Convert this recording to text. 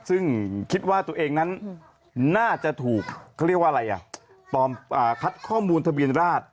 ซึ่งคิดว่าตัวเองนั้นน่าจะถูกเขาเรียกว่าอะไรอ่ะปลอมคัดข้อมูลทะเบียนราช